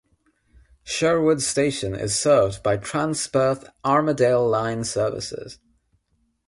Sherwood station is served by Transperth Armadale line services.